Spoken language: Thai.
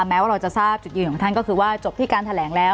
แม้ว่าเราจะทราบจุดยืนของท่านก็คือว่าจบที่การแถลงแล้ว